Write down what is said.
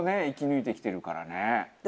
生き抜いてきてるからね。